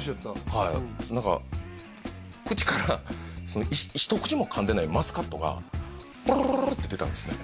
はい何か口から一口も噛んでないマスカットがポロロロロって出たんですね